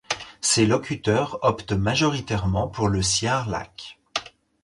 Ses locuteurs optent majoritairement pour le siar-lak.